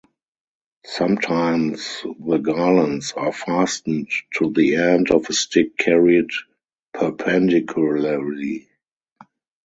Sometimes the garlands are fastened to the end of a stick carried perpendicularly.